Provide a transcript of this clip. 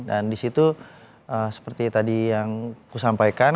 dan disitu seperti tadi yang kusampaikan